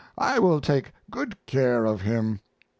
I will take good care of him.